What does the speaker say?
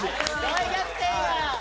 大逆転や！